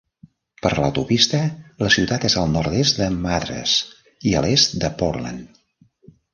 Per l'autopista, la ciutat és al nord-est de Madras i a l'est de Portland.